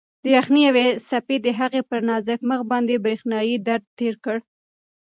د یخنۍ یوې څپې د هغې پر نازک مخ باندې برېښنايي درد تېر کړ.